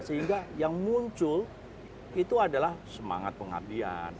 sehingga yang muncul itu adalah semangat pengabdian